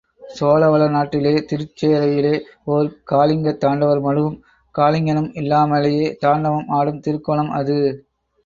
சோழ வளநாட்டிலே திருச் சேறையிலே ஒரு காளிங்க தாண்டவர் மடுவும் காளிங்கனும் இல்லாமலே தாண்டவம் ஆடும் திருக்கோலம் அது.